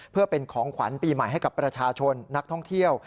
เพื่อเป็นของขวัญปีใหม่ให้กับประชาชนนักท่องเที่ยว